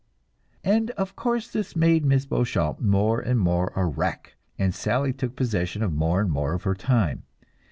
And of course this made Miss Beauchamp more and more a wreck, and Sally took possession of more and more of her time.